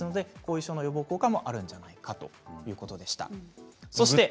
後遺症の予防効果があるんじゃないかということでした。